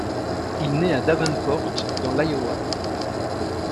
Il naît à Davenport, dans l'Iowa.